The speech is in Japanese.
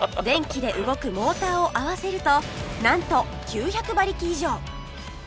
電気で動くモーターを合わせるとなんと９００馬力以上